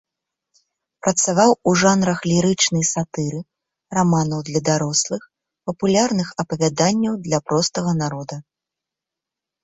Працаваў у жанрах лірычнай сатыры, раманаў для дарослых, папулярных апавяданняў для простага народа.